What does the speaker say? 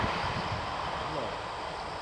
ผลโหวต